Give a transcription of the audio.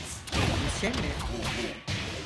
Lise mi?